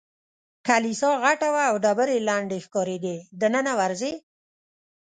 کلیسا غټه وه او ډبرې یې لندې ښکارېدې، دننه ورځې؟